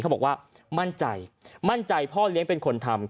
เขาบอกว่ามั่นใจมั่นใจพ่อเลี้ยงเป็นคนทำ